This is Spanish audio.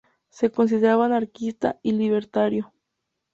Se consideraba anarquista y libertario.